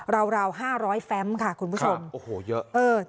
ราว๕๐๐แฟมป์ค่ะคุณผู้ชมโอ้โหเยอะ